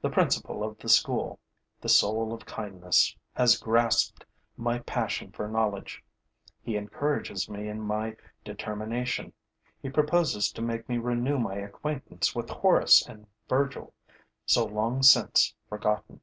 The principal of the school, the soul of kindness, has grasped my passion for knowledge. He encourages me in my determination; he proposes to make me renew my acquaintance with Horace and Virgil, so long since forgotten.